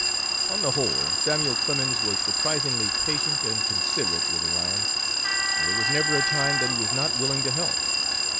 On the whole, Samuel Clemens was surprisingly patient and considerate with Orion, and there was never a time that he was not willing to help.